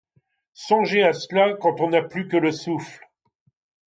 Songer à cela quand on n’a plus que le souffle